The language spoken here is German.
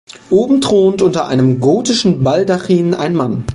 Oben thront unter einem gotischen Baldachin ein Mann.